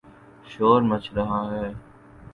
شور مچ رہا ہے۔